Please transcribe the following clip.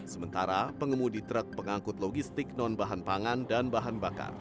sementara pengemudi truk pengangkut logistik non bahan pangan dan bahan bakar